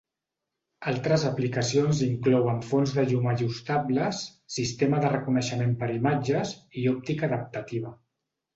Altres aplicacions inclouen fonts de llum ajustables, sistemes de reconeixement per imatges, i òptica adaptativa.